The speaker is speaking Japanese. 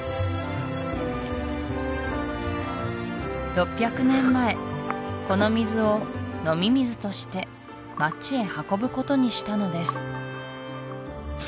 ６００年前この水を飲み水として街へ運ぶことにしたのです